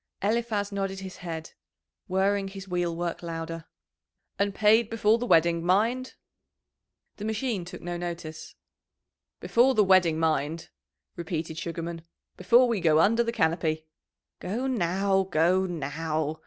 Eliphaz nodded his head, whirring his wheelwork louder. "And paid before the wedding, mind?" The machine took no notice. "Before the wedding, mind," repeated Sugarman. "Before we go under the canopy." "Go now, go now!"